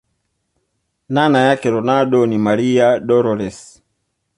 nana yake ronaldo ni maria dolores